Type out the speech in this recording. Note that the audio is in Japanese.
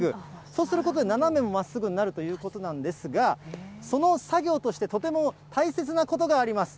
そうすることで、斜めもまっすぐになるということなんですが、その作業としてとても大切なことがあります。